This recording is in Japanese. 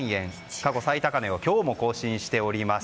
過去最高値を今日も更新しております。